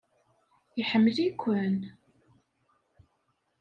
Iḥemmel-iken!